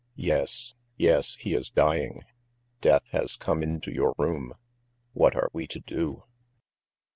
"Yes, yes, he is dying! Death has come into your room. What are we to do?"